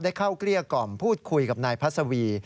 เข้าเกลี้ยกล่อมพูดคุยกับนายพัศวี